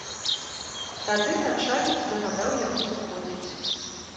Тады начальнік загадаў яму сыходзіць.